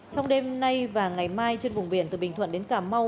trong đêm nay và ngày mai trên vùng biển từ bình thuận đến cà mau